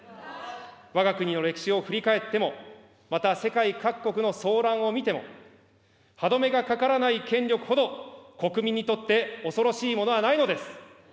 わが国の歴史を振り返っても、また世界各国の争乱を見ても、歯止めがかからない権力ほど国民にとって恐ろしいものはないのです。